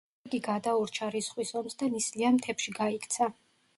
იგი გადაურჩა რისხვის ომს და ნისლიან მთებში გაიქცა.